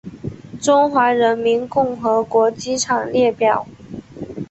中华人民共和国机场列表